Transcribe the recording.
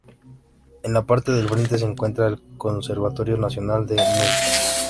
En la parte del frente se encuentra el Conservatorio Nacional de Música.